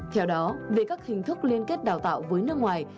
theo đó về các hình thức liên kết đào tạo với nước ngoài